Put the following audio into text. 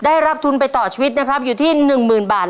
ได้รับทุนไปต่อชีวิตนะครับอยู่ที่๑๐๐๐บาท